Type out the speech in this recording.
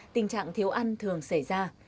tình trạng thiếu ăn thường xảy ra